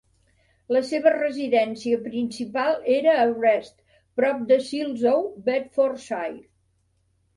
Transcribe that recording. La seva residència principal era a Wrest, prop de Silsoe, Bedfordshire.